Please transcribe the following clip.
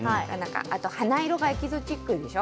花色がエキゾチックでしょ。